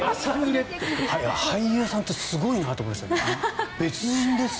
俳優さんってすごいなって思いました。